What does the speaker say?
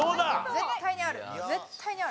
絶対にある。